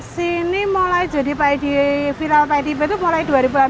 sini mulai jadi viral pak idp itu mulai dua ribu delapan belas